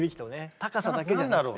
高さだけじゃなくてね。